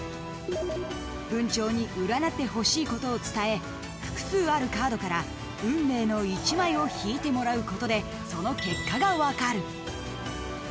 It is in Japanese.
［文鳥に占ってほしいことを伝え複数あるカードから運命の１枚を引いてもらうことでその結果が分かる］